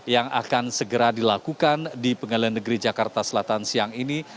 yang akan segera dilakukan di pengadilan negeri jakarta selatan siang ini